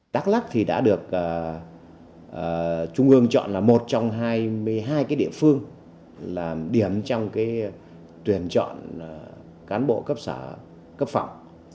đắk lắc đã được trung ương chọn là một trong hai mươi hai địa phương là điểm trong tuyển chọn cán bộ cấp xã cấp phòng